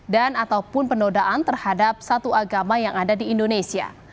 dan ataupun penodaan terhadap satu agama yang ada di indonesia